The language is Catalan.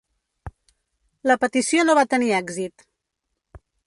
La petició no va tenir èxit.